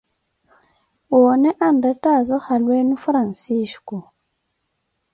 Woone anrettaazo halu enu Francisco.